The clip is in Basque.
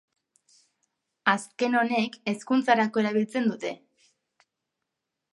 Azken honek, hezkuntzarako erabiltzen dute.